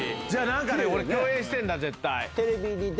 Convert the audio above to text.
何かで俺共演してるんだ絶対。